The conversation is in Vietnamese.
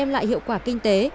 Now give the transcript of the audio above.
lại hiệu quả kinh tế